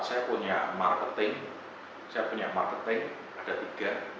saya punya marketing saya punya marketing ada tiga